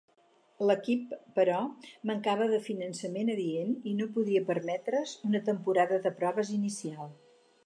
L'equip, però, mancava de finançament adient i no podia permetre's una temporada de proves inicial.